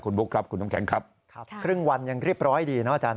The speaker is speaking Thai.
คุณบุ๊คครับคุณน้ำแข็งครับครึ่งวันยังเรียบร้อยดีนะอาจารย์